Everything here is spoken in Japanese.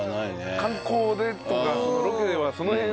観光でとかロケではその辺のね